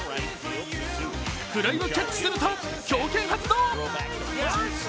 フライをキャッチすると強肩発動。